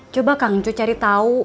coba kang cu cari tahu